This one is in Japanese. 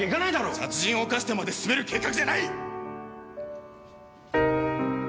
殺人を犯してまで進める計画じゃない！